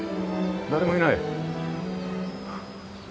誰もいない。